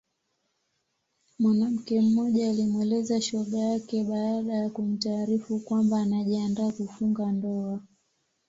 Mwanamke mmoja alimweleza shoga yake baada ya kumtaarifu kwamba anajiandaa kufunga ndoa